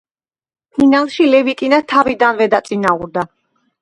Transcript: ფინალში ლევიტინა თავიდანვე დაწინაურდა.